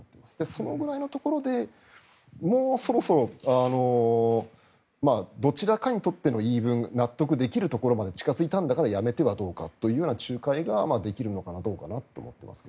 そのくらいのところでもうそろそろどちらかにとっての言い分納得できるところまで近付いたんだからやめてはどうかというような仲介ができるのかな、どうかなと思っています。